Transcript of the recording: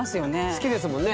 好きですもんね。